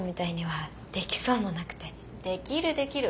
できるできる。